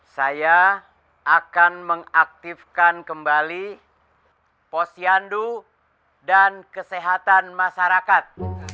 saya akan mengaktifkan kembali posyandu dan kesehatan masyarakat